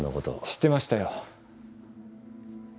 知ってましたよ。